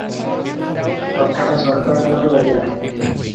କଥାଟା ସରକାର କାନରେ ବାଜିଲା ।